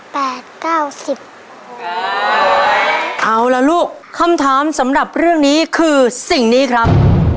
แปดเก้าสิบเอาละลูกคำถามสำหรับเรื่องนี้คือสิ่งนี้ครับ